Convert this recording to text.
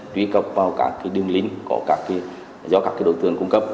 truy cập vào các đường lính do các đối tượng cung cấp